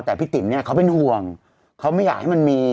แต่พี่ติ๋มเนี่ยเขาเป็นห่วงเขาไม่อยากให้มันมี